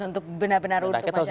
untuk benar benar untuk masyarakat